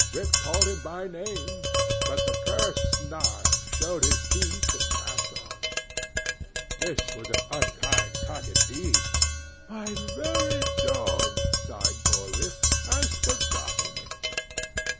Rip called him by name, but the cur snarled, showed his teeth, and passed on. This was an unkind cut indeed—"My very dog," sighed poor Rip, "has forgotten me!"